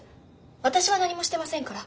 私は何もしてませんから。